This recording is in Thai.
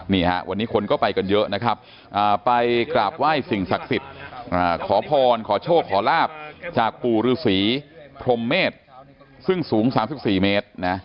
นี่ฮะวันนี้คนก็ไปกันเยอะนะครับไปกราบไหว้สิ่งศักดิ์ศิษย์